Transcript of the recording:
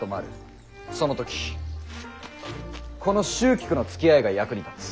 その時この蹴鞠のつきあいが役に立つ。